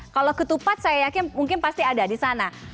kalau ketupat saya yakin mungkin pasti ada di sana